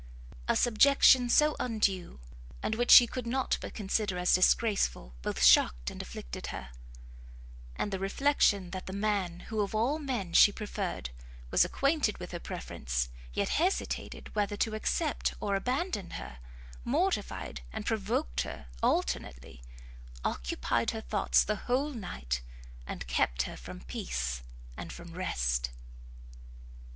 A subjection so undue, and which she could not but consider as disgraceful, both shocked and afflicted her; and the reflection that the man who of all men she preferred, was acquainted with her preference, yet hesitated whether to accept or abandon her, mortified and provoked her, alternately, occupied her thoughts the whole night, and kept her from peace and from rest.